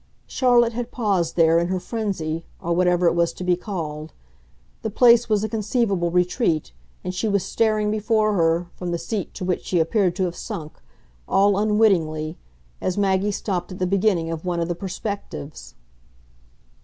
Charlotte had paused there, in her frenzy, or what ever it was to be called; the place was a conceivable retreat, and she was staring before her, from the seat to which she appeared to have sunk, all unwittingly, as Maggie stopped at the beginning of one of the perspectives.